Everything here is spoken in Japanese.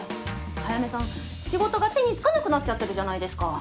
早梅さん仕事が手につかなくなっちゃってるじゃないですか